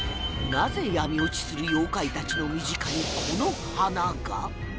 なぜ闇落ちする妖怪たちの身近にこの花が？